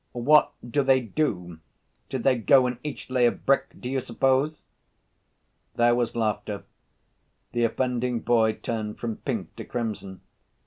What do they do? Did they go and each lay a brick, do you suppose?" There was laughter. The offending boy turned from pink to crimson.